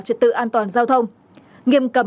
trật tự an toàn giao thông nghiêm cấm